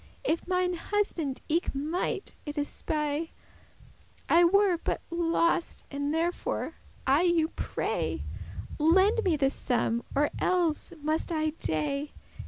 And if mine husband eke might it espy, I were but lost; and therefore I you pray, Lend me this sum, or elles must I dey.